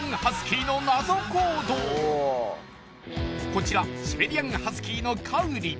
こちらシベリアン・ハスキーのカウリ